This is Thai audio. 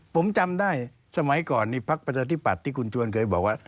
ผมจำได้สมัยก่อนนี่พักประชาธิปัตย์ที่คุณชวนเคยบอกว่า